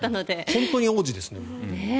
本当に王子ですね。